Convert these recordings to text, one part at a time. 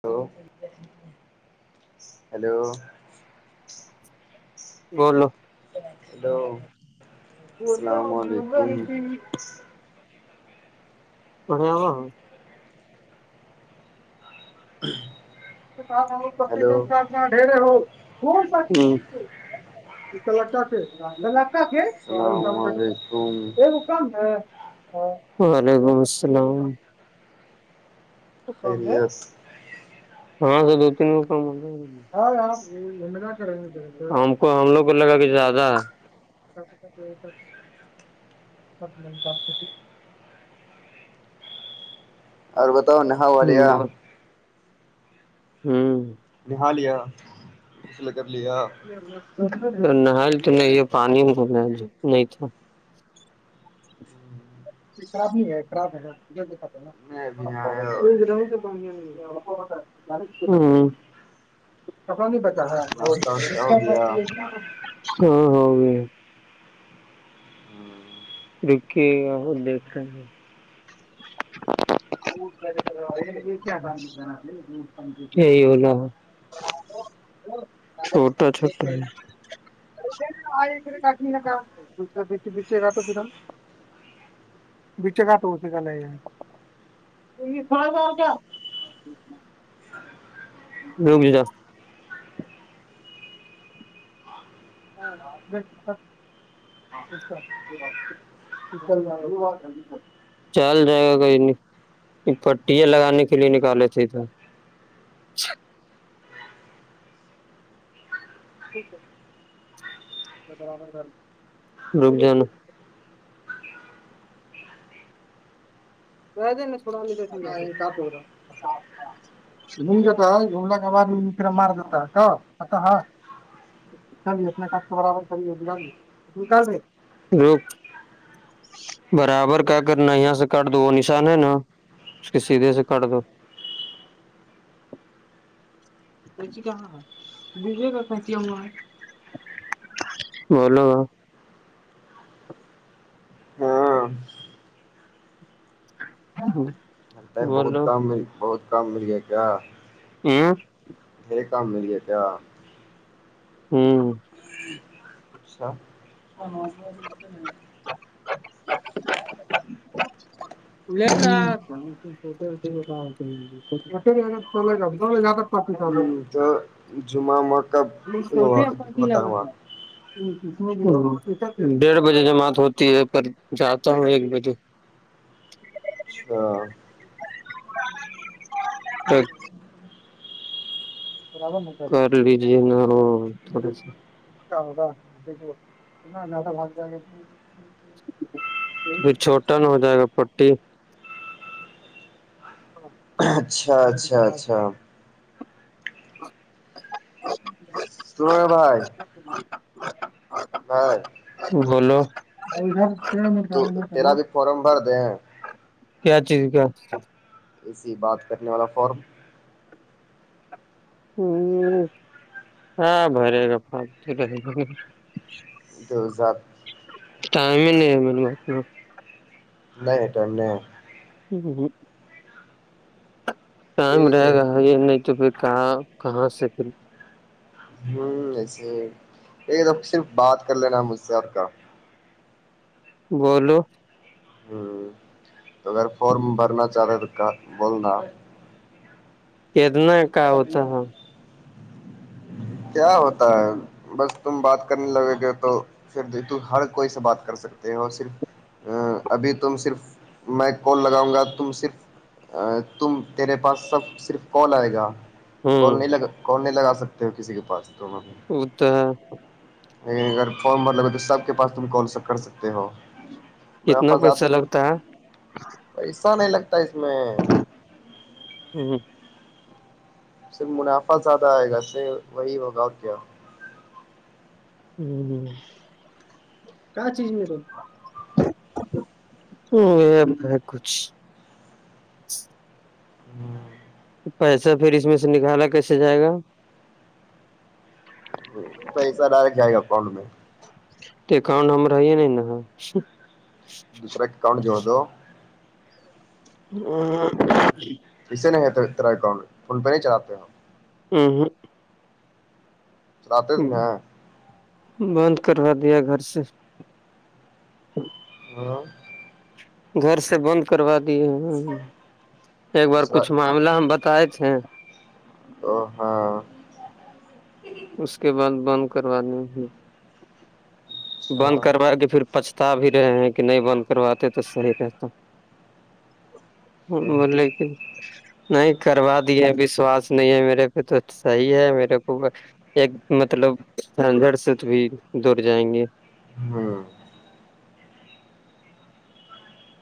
hello hello بولو hello السلام علیکم پڑ آںا [inaudible] کس ہلو چتا ڈرے ہو ہو سگ لگات تو کام السلام علیکم ا کام ہے وعلیکم السلام کام ہے خیریت ہاں دو تین وہ کام ہے ہم کو ہم لوگ کو لگا کہ زیادہ [unintelligible] اور بتاؤ نہا وہا لیا ہوں نہا لیا سلا کر لیا نہایا تو نہیں پانی نہیں تھا خراب نہیں ہے خراب ہے نا میں ابھی نہایا [unintelligible] اتنا نہیں پتا ہے ناشتہ واشتہ ہو گیا ہاں ہو گیا رک کے اور دیکھ رہے ہیں [unintelligible] یہی ہو چھوٹا چھوٹا ہے [unintelligible] بیچے گٹ ہوتی گئی نہیں ہے تو یہ پان کیا رک جا [unintelligible] [inaudible] چل جائے گا کہئی کٹیا لگانے کے لیے نکالے تھے تو رک جانا تھوڑا کاپ رہا شن جاتا جملہ باد مار جاتا کا ہاں چے اپنا کھ کا برابر چیے رہے برابر کا کرنا یہاں سے کاٹ دو وہ نشان ہے نا اس کے سیدھے سے کاٹ دو بولو ہاں ہاں ہاں چلتا ہے بہت کم بہت کم مل گیا کیا ہمم یہی کام ملی ہے کیا ہوں اچھا [unintelligible] [unintelligible] تو جمعہ کب ہوتا وہاں ڈیڑھ بجے جماعت ہوتی ہے پر جاتا ہوں ایک بجے ٹھیک اچھا [unintelligible] کر لیجے نا تھوڑے سے نا زیادہ بھاگ جائے پھر چھوٹا نہا ہو جائے گا نا پٹی اچھا اچھا اچھا سوئے ہے بھائی [inaudible] ہاں بولو تو تیرا بھی فارم بھر دیں کیا چیز کیا اسی بات کرنے والا فارم ہاں بھرے گا پپ تو رہ دوزات ٹائم ہی نہیں ہے اتنا نہیںٹ نہیں ہاں ہاں ٹائم رہے گا ہے یہ نہیں تو پھر کہاں کہاں سے پھر ہوں ایسے یہ تو صرف بات کر لینا مجھ سے اور کا بولو ہ تو اگر فارم بھرنا چاہ رہے تو بولنا اتنا کا ہوتا ہے کیا ہوتا ہے بس تم بات کرنے لگو گے تو پھر ہر کوئی سے بات کر سکتے ہو صرف ابھی تم صرف میں کال لگاؤں گا تم صرف تم تیرے پاس سب صرف کال آئے گا کون ہوں نہیں لگا کون نہیں لگا سکتے ہو کسی کے پاس ت ا تو لن اگر فون بھر لگے تو سب کے پاس تم کال س کر سکتے ہو کتنا مفظات پیسہ لگتا ہے پیسا نہیں لگتا اس میں ہوں صرف منافع زیادہ آئے گا سے وہی ہوگا اور کیا ہاں کیا چیز رہ ہوں یہ کچھ پیسہ پھر اس میں سے نکالا کیسے جائے گا پیسہ ڈائریکٹ جائے گ اکاؤنٹ میں تو کاؤن ہم رہے نہیں نا دوسرا کنڈ جوڑ دو ا اسے نہیں ہےیرا اکانٹ فون پہ نہیں چلاتے ہو ہاں چرات ہیں بند کروا دیا گھر سے ہاں گھر سے بند کروا دیے ایک بار دوسرا کچھ معاملہ ہم بتا کا ہے تھ ہیں ہاں اس کے بعد بند کروانی ہے اچھا بند کروا کے پھر پچھتا بھی رہے ہیں کہ نہیں بند کرواتے تو صحیح رہتا ہ ہوں بولے کہ نہیں کروا دیے وشواس نہیں ہے میرے پہ تو صحیح ہے میرے کو ایک مطلب جھنجھڑ سے تو بھی دور جائیں گے ہاں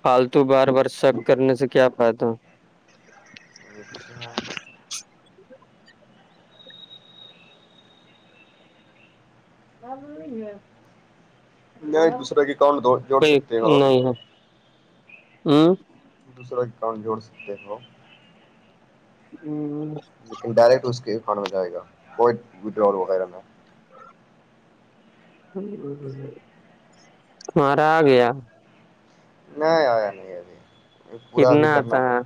پالتو بار بار سب کرنے سے کیا فائدہ وچنا نہیں دوسرا کے اکاؤنٹ جوڑ کوئی سکتے ہو نہیں ہے ہوں دوسرا ا کاؤنٹ جوڑ سکتے ہو ہ لیکن ڈائریکٹ اس کے کان میں جائے گا کو وڈر وغیرہ میں مارا آ گیا نہیں آیا نہیں ابھی پورا بھی کتنا آتا کرنا ہے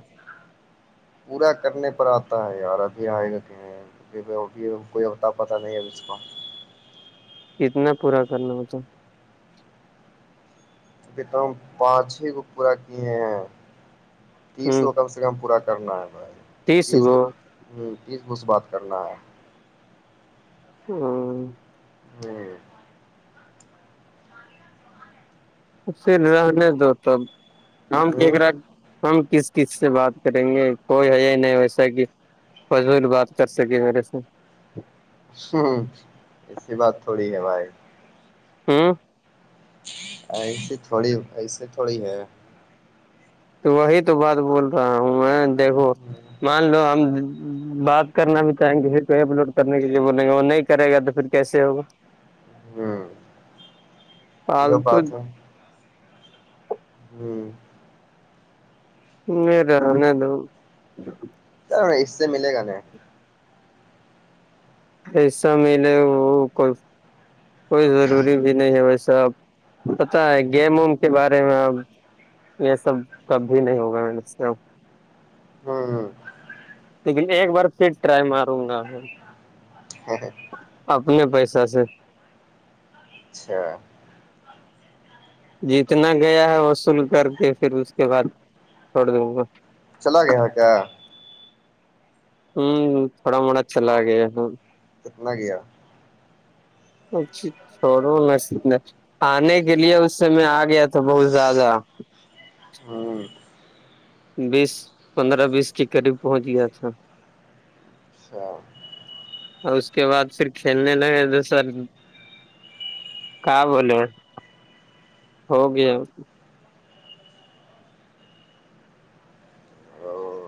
پورا کرنے پر آتا ہے یار ابھی آیےگ نہیں کوئی ہوتا پتا نہیں ا اس کا اتنا پورا کر لوگے تو تو ہم پانچ ہی کو پورا کیے ہیں ہے تیس ہ کو کم سے کم پورا کرنا ہے بھائی تیس تیس گو بات کرنا ہے ہ ہوں پھر رہنے دو تب کام ہ کیکا ہم کس کس سے بات کریں گے کوئی ہے یہ نہیں ویسا کہ فضول بات کر سکے میرے سے ہ ایسی بات تھوڑی ہے بھائی ہوں ایسی تھوڑی ایسیے تھوڑی ہے تو وہی تو بات بول رہا ہوں میں دیکھو مان لو ہم بات کرنا بھی چاہیں گے پھر کوئی اپلوڈ کرنے کے لیے بولیں گے وہ نہیں کرے گا تو پھر کیس ہوگا ہوں یہ فالتو بات ہے ہوں میر آنے دو اس سے ملے گا نہیں ایسا ملے وہ کوئی کوئی ضروری بھی نہیں ہے ویسے اپ پتا ہے گیم وم کے بارے میں ا یہ سب کبھی نہیں ہوگا ہم سے اب ہاں لیکن ایک بار پھر ٹرائی ماروں گا اپنے پیسہ سے اچھا جتنا گیا ہے وصل کر کے پھر اس کے بعد چھوڑ دوں گا چلا گیا ہاں کیا ہوں تھوڑا موڑا چلا گیا ہوں کتنا گیا اچ چڑو نہ س ن آنے کے لیے اس س میں آ گیا تھا بہت زیادہ ہاں بیس پندرہ بیس کے قریب پہنچ گیا تھا اچھا اور اس کے بعد پھر کھیلنے لگے تو سر کا بولے ہو گیا او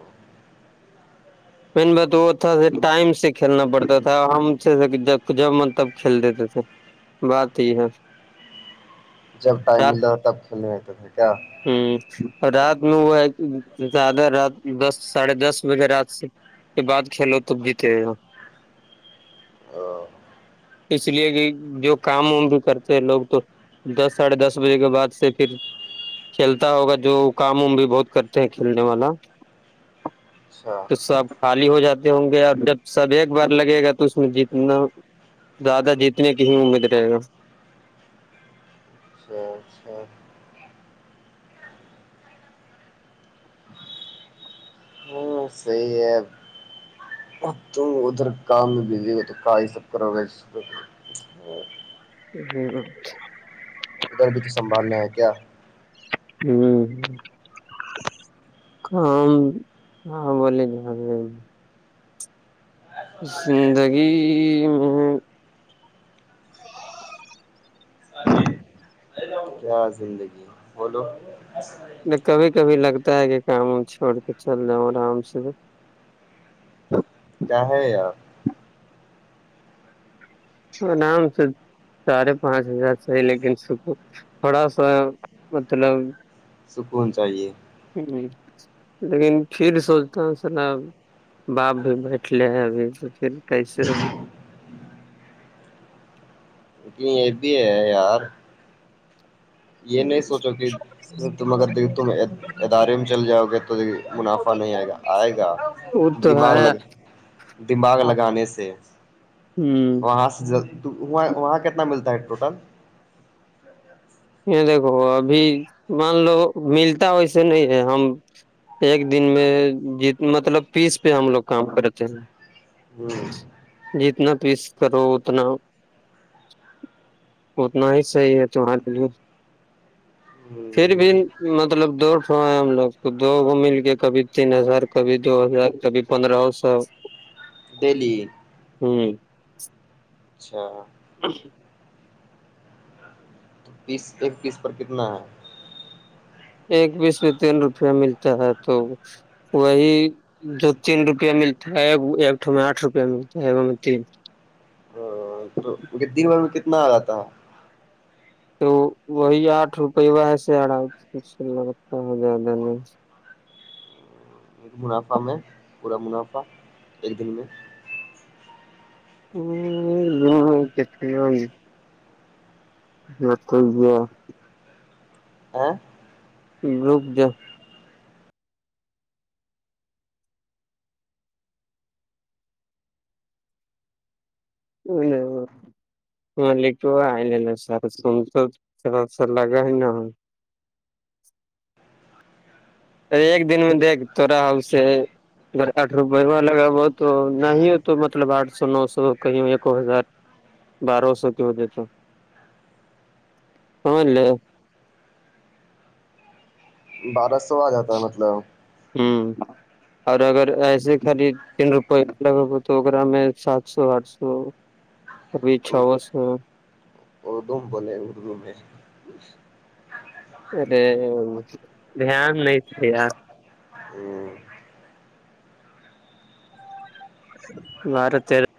میں بات وہ تھا ٹائم سے کھیلنا پڑتا تھا ہم جب من ملب تب کھیلتے تھے بات یہ ہے جب ٹائم ملا تب کھیو تو کیا ہ رات ن وہ ہے زیادہ رات دس ساڑھے دس بجے رات سے کے بعد کھیلو توب جیتے [unintelligible] اس لیے کہ جو کام وام بھی کرتے ہیں لوگ تو دس ساڑھے دس بجے کے بعد سے پھر کھیلتا ہوگا جو کام وم بھی بہت کرتے ہیں کھیلنے والا اچھا تو سب خالی ہو جاتے ہوں گے اور جب سب ایک بار لگے گا تو اس میں جتنا زیادہ جیتنے کی ہی امید رہے گا اچاچھا ہوں صحی ہے تم ادھر کام میں بزی ہو تو کا یہ سب کرو گا جیچ ادھر بھی تو سنبھالنا ہے کیا ہوں کام ہاں بولے ج زندگی [unintelligible] ہ جے [unintelligible] کیا زندگی بولو کبھی کبھی لگتا ہے کہ کام وم چھوڑ کے چل جاؤں آرام سے تو کیا ہے یار پر نام سے سارے پانچ ہزار سےاہی لیکن س تھوڑا سا مطلب سکون چاہیے ہ لیکن پھر سوچتا ہوں سرب باپ بھی بیٹھلے ہیں ابھی تو پھر کیسے ہو کی ا بھی ہے یار یہ نہیں سوچو کہ تم اگر دیک تم ادارے میں چل جاؤ گے تو د منافع نہیں آئے گا آئے گا ا تو دماغ ہے لگ دماغ لگانے سے ہوں وہاں سے تو وہاں وہاں کتنا ملتا ہے ٹوٹل یہ دیکھو ابھی مان لو ملتا ویسے نہیں ہے ہم ایک دن میں ج مطلب پیس پہ ہم لوگ کام کرتے ہیں ہ جتنا تیس کرو اتنا اتنا ہی صحیح ہے ت لیے ہوں پھر بھی مطلب دوٹو ہے ہم لوگ تو دو گ مل کے کبھی تین ہزار کبھی دو ہزار کبھی پندرہ سو دہلی ہوں اچھا [unintelligible] تو پیس ایک پیس پر کتنا ہے ایک بیس میں تین روپیہ ملتا ہے تو وہی جو تین روپیہ ملتا ہے ایکٹ میں آٹھ روپیہ ملتا ہے تین تو دن بھر میں کتنا آ جاتا تو وہی آٹھ روپے و ایسے لگ ہو جیادہ نہیں منافع میں پورا منافع ایک دن میں ہ ہ جت ج [unintelligible] [unintelligible] جت گ ہے [unintelligible] [unintelligible] ہاں گروپ جو [unintelligible] ا ج [unintelligible] [unintelligible] مالک آئ سارا سم تو تھا سا لگا ہے نا [unintelligible] ارے ایک دن میں دیکھ تو رہا اس سے اگر آٹھ روپے ہو لگا ہوا تو نہیں ہو تو مطلب آٹھ سو نو سو کہیں ایکو ہزار بارو سو کی ہو دیتا سمج لے بارہ سو آ جاتا ہے مطلب ہوں اور اگر ایسے خالی تین روپے لگ تو ا میں سات سو آٹھ سو ابھیچھا ہوس اردوم بولے اردو میں [unintelligible] ارے دھیان نہیںتیا [unintelligible] ہ [unintelligible] بار تیر [unintelligible]